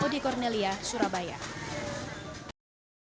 kondisi pandemi ini akan berjalan dengan lebih cepat